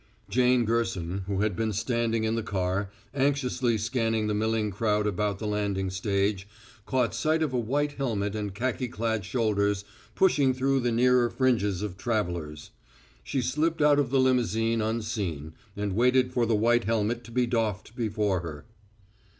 Jane Gerson, who had been standing in the car, anxiously scanning the milling crowd about the landing stage, caught sight of a white helmet and khaki clad shoulders pushing through the nearer fringes of travelers. She slipped out of the limousine unseen, and waited for the white helmet to be doffed before her.